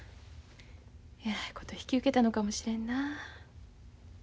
えらいこと引き受けたのかもしれんな。